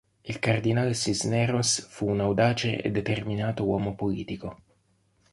Il cardinal Cisneros fu un audace e determinato uomo politico.